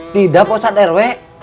tidak posat rw